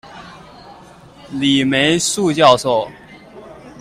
李梅樹教授